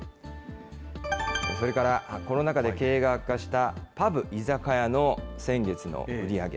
それから、コロナ禍で経営が悪化したパブ・居酒屋の先月の売り上げ。